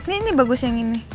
ini bagus yang ini